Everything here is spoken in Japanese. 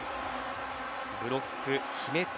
ブロックを決めた。